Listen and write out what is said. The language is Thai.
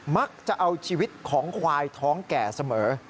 มักจะเอาชีวิตของควายท้องแก่เสมอ